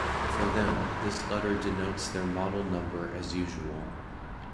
For them, this letter denotes their model number as usual.